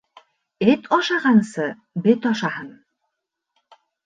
Эт ашағансы бет ашаһын.